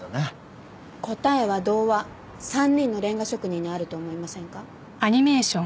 答えは童話『三人のレンガ職人』にあると思いませんか。